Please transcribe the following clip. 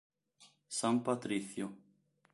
San Patricio